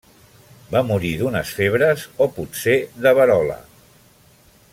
Va morir d'unes febres, o potser de verola.